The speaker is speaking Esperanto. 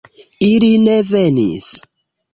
Ili ne venis